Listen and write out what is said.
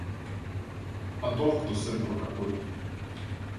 А толк-то с этого какой?